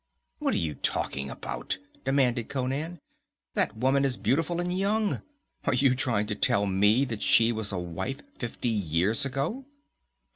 "What are you talking about?" demanded Conan. "That woman is beautiful and young. Are you trying to tell me that she was a wife fifty years ago?"